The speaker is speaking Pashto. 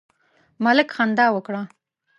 ملک خندا وکړه.